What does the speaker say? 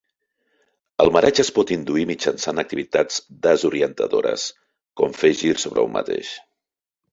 El mareig es pot induir mitjançant activitats desorientadores com fer girs sobre un mateix.